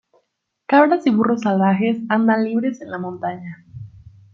Cabras y burros salvajes andan libres en la montaña.